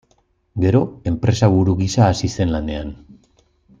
Gero, enpresaburu gisa hasi zen lanean.